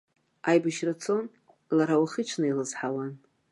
Аибашьра цон, лара уахиҽни илызҳауан.